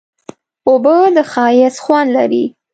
اوبه د ښایست خوند لري.